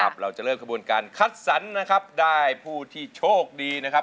เราจะเริ่มขบวนการคัดสรรนะครับได้ผู้ที่โชคดีนะครับ